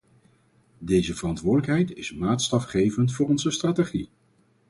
Deze verantwoordelijkheid is maatstafgevend voor onze strategie.